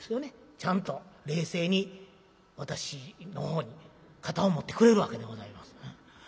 ちゃんと冷静に私の方にね肩を持ってくれるわけでございます。